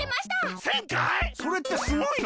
それってすごいの？